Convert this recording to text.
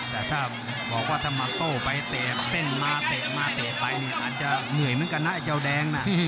แต่ถ้าบอกว่าถ้ามาโต้ไปเตะเต้นมาเตะมาเตะไปเนี่ยอาจจะเหนื่อยเหมือนกันนะไอ้เจ้าแดงนะ